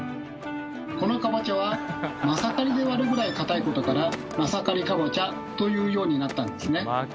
このかぼちゃはマサカリで割るぐらい硬いことから「マサカリかぼちゃ」と言うようになったんですね。